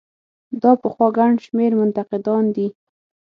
دا پخوا ګڼ شمېر منتقدان دي.